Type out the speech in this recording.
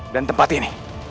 dan tempat ini